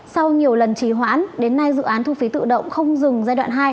sau nhiều lần trì hoãn đến nay dự án thu phí tự động không dừng giai đoạn hai